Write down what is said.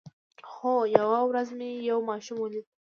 هو، یوه ورځ مې یو ماشوم ولید